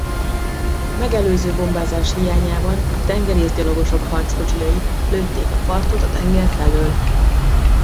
Megelőző bombázás hiányában a tengerészgyalogosok harckocsijai lőtték a partot a tenger felől.